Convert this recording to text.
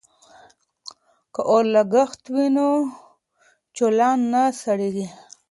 که اورلګیت وي نو چولہ نه سړیږي.